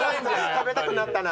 食べたくなったな。